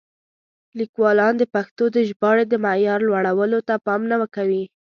لیکوالان د پښتو د ژباړې د معیار لوړولو ته پام نه کوي.